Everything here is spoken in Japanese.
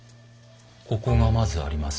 ここがまずあります。